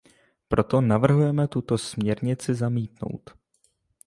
Proto navrhujeme tuto směrnici zamítnout.